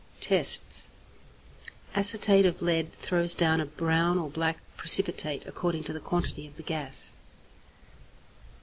Tests. Acetate of lead throws down a brown or black precipitate according to the quantity of the gas.